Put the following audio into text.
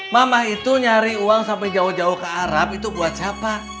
mamah itu nyari uang sampai jauh jauh ke arab itu buat siapa